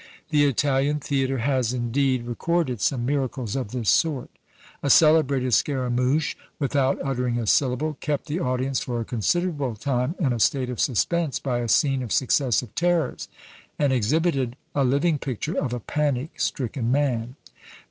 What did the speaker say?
The Italian theatre has, indeed, recorded some miracles of this sort. A celebrated Scaramouch, without uttering a syllable, kept the audience for a considerable time in a state of suspense by a scene of successive terrors; and exhibited a living picture of a panic stricken man.